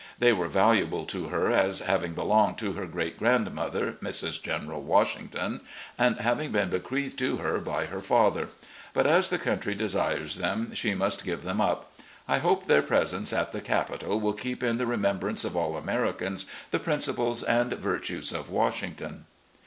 They were valuable to her as having belonged to her great grandmother (Mrs. General Washington), and having been bequeathed to her by her father. But as the country desires them, she must give them up. I hope their presence at the capital will keep 338 RECX)LLECTIONS OF GENERAL LEE in the remembrance of all Americans the principles and virtues of Washington.